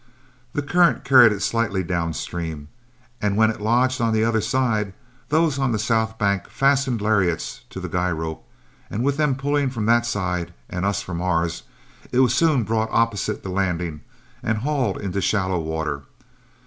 The current carried it slightly downstream, and when it lodged on the other side, those on the south bank fastened lariats to the guy rope; and with them pulling from that side and us from ours, it was soon brought opposite the landing and hauled into shallow water.